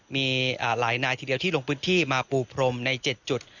มีหลายนายทีเดียวที่ลงพื้นที่มาปูพรมใน๗จุด